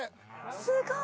すごい。